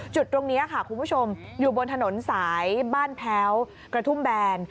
จุดตรงนี้ค่ะคุณผู้ชมอยู่บนถนนสายบ้านแพ้วกระทุ่มแบน